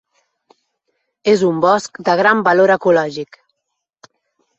És un bosc de gran valor ecològic.